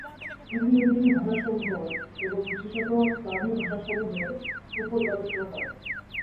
তিনি ইন্দো-ইউরোপীয় ভাষাসমূহ এবং বিশেষত স্লাভীয় ভাষাসমূহের উপর গবেষণা করেন।